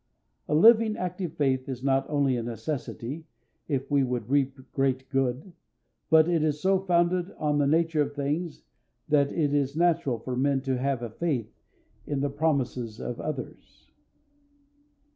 A living, active faith is not only a necessity, if we would reap great good, but it is so founded on the nature of things that it is natural for men to have a faith in the promises of others.